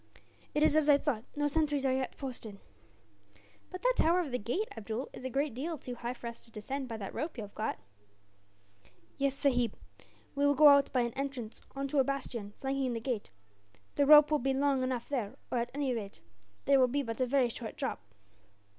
"It is as I thought: no sentries are yet posted." "But that tower over the gate, Abdool, is a great deal too high for us to descend by that rope that you have got." "Yes, sahib. We go out by an entrance on to a bastion, flanking the gate. The rope will be long enough there or, at any rate, there will be but a very short drop."